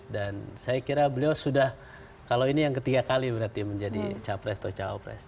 dan saya kira beliau sudah kalau ini yang ketiga kali berarti menjadi cowok presiden atau cowok presiden